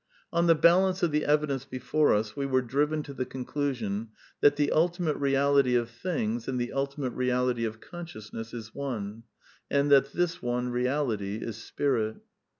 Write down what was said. On the balance of the evidence before us, we were driven to the conclusion that the ultimate reality of things and the ultimate reality of consciousness is one; and that this one reality is Spirit.